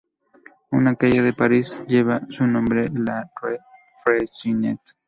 Una calle de París lleva su nombre: la rue Freycinet.